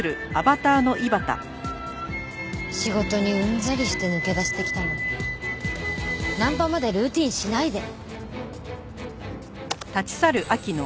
仕事にうんざりして抜け出してきたのにナンパまでルーティンしないで。